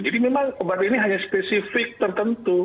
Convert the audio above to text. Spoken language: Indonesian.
jadi memang obat ini hanya spesifik tertentu